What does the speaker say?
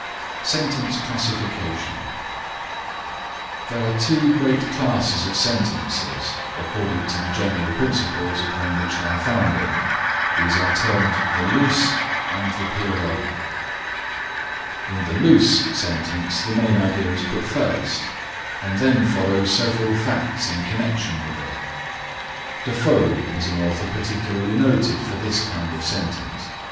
SENTENCE CLASSIFICATION There are two great classes of sentences according to the general principles upon which they are founded. These are termed the loose and the periodic. In the loose sentence the main idea is put first, and then follow several facts in connection with it. Defoe is an author particularly noted for this kind of sentence.